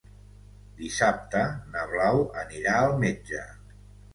Dissabte na Blau anirà al metge.